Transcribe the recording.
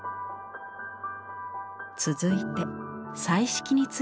続いて彩色についてです。